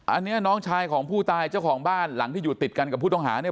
อันนี้น้องชายของผู้ตายเจ้าของบ้านหลังที่อยู่ติดกันกับผู้ต้องหาเนี่ย